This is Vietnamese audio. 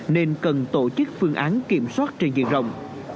nên cần tổ chức phương án kiểm soát trên diện rộng